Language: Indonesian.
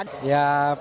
tidak tidak kecewa